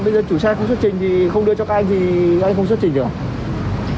bây giờ chủ xe không xuất trình thì không đưa cho các anh thì các anh không xuất trình được